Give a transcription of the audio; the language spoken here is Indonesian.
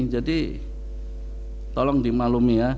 jadi tolong dimaklumi